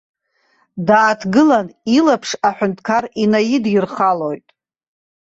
Дааҭгылан илаԥш аҳәынҭқар инаидирхалоит.